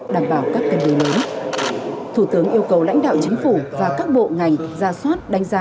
đảm bảo các cân đối lớn thủ tướng yêu cầu lãnh đạo chính phủ và các bộ ngành ra soát đánh giá